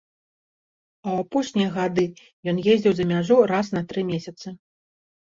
А ў апошнія тры гады ён ездзіў за мяжу раз на тры месяцы.